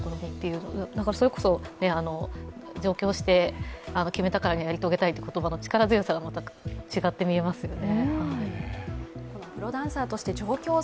それこそ上京して決めたからにはやり遂げたいという言葉の力強さがまた違って見えますよね。